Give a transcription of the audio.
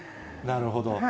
なるほど。